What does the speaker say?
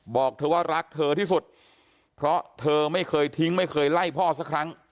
บอกเธอว่ารักเธอที่สุดเพราะเธอไม่เคยทิ้งไม่เคยไล่พ่อสักครั้ง